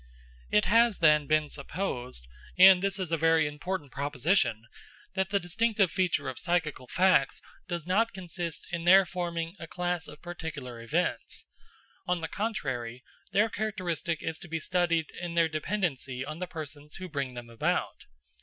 It has, then, been supposed and this is a very important proposition that the distinctive feature of psychical facts does not consist in their forming a class of particular events. On the contrary, their characteristic is to be studied in their dependency on the persons who bring them about.